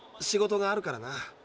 仕事があるからな。